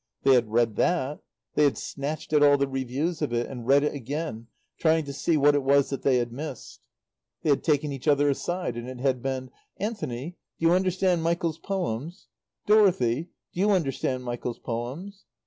They had read that; they had snatched at all the reviews of it and read it again, trying to see what it was that they had missed. They had taken each other aside, and it had been: "Anthony, do you understand Michael's poems?" "Dorothy, do you understand Michael's poems?"